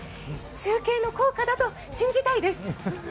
中継の効果だと信じたいです。